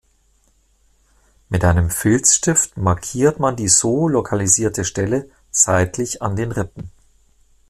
Mit einem Filzstift markiert man die so lokalisierte Stelle seitlich an den Rippen.